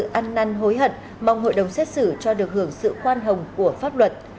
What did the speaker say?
các bị cáo cũng bày tỏ sự ăn năn hối hận mong hội đồng xét xử cho được hưởng sự khoan hồng của pháp luật